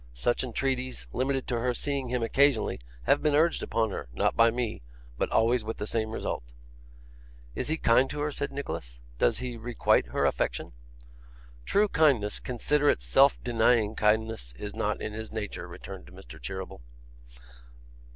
Such entreaties, limited to her seeing him occasionally, have been urged upon her not by me but always with the same result.' 'Is he kind to her?' said Nicholas. 'Does he requite her affection?' 'True kindness, considerate self denying kindness, is not in his nature,' returned Mr. Cheeryble.